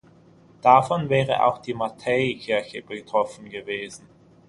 Davon wäre auch die Matthäikirche betroffen gewesen.